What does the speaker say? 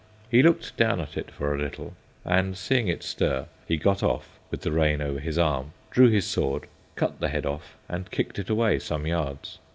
He looked down at it for a little, and seeing it stir, he got off, with the rein over his arm, drew his sword, cut the head off, and kicked it away some yards.